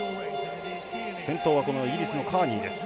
先頭はイギリスのカーニーです。